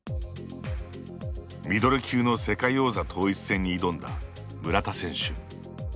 ミドル級の世界王座統一戦に挑んだ村田選手。